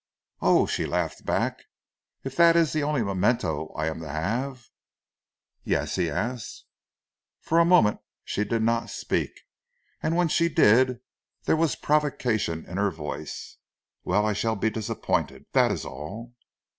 "Oh!" she laughed back, "if that is the only memento I am to have " "Yes?" he asked. For a moment she did not speak, and when she did there was provocation in her voice. "Well, I shall be disappointed, that is all."